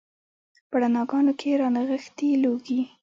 په رڼاګانو کې رانغښي لوګي